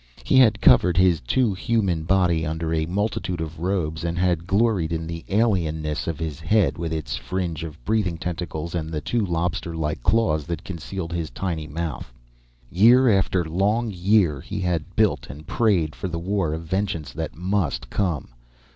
He had covered his too human body under a multitude of robes and had gloried in the alienness of his head, with its fringe of breathing tentacles and the two lobster like claws that concealed his tiny mouth. Year after long year, he had built and prayed for the war of vengeance that must come.